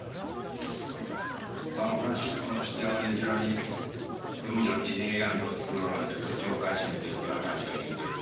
サンフランシスコの支店を根城に海のディズニーランドを作るなんて土地を買い占めてるという話は聞いてる。